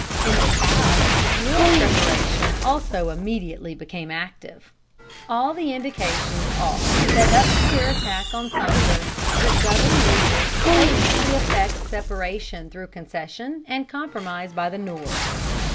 In the South, war preparation also immediately became active. All the indications are that up to their attack on Sumter, the Southern leaders hoped to effect separation through concession and compromise by the North.